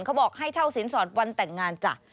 เขาบอกให้เช่าสินสอดวันแต่งงานจ้ะ